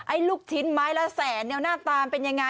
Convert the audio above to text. ลูกชิ้นไม้ละแสนเนี่ยหน้าตาเป็นยังไง